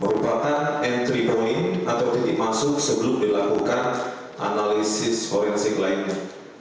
merupakan entry point atau titik masuk sebelum dilakukan analisis forensik lainnya